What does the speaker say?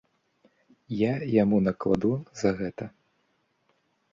Я яму накладу за гэта.